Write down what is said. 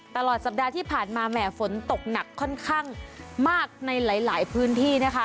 ตลอดสัปดาห์ที่ผ่านมาแหม่ฝนตกหนักค่อนข้างมากในหลายพื้นที่นะคะ